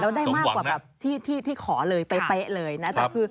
แล้วได้มากกว่าแบบที่ขอเลยเป๊ะเลยนะ